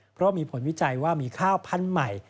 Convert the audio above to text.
เพราะมีผลวิจัยว่ามีข้าวพันธุ์ใหม่